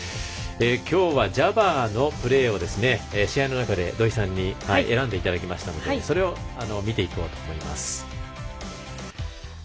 今日はジャバーのプレーを試合の中で土居さんに選んでいただきましたのでそれを見ていこうと思います。